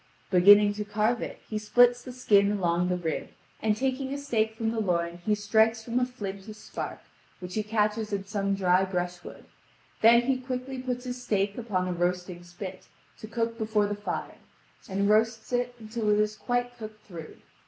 Beginning to carve it he splits the skin along the rib, and taking a steak from the loin he strikes from a flint a spark, which he catches in some dry brush wood; then he quickly puts his steak upon a roasting spit to cook before the fire, and roasts it until it is quite cooked through.